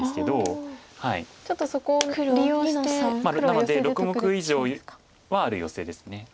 なので６目以上はあるヨセです。